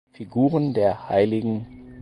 Figuren der hl.